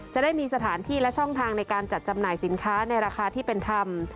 จะได้มีสถานที่และช่องทางในการจัดจำหน่ายสินค้าในราคาที่เป็นธรรม